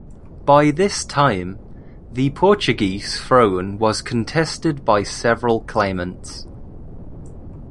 By this time, the Portuguese throne was contested by several claimants.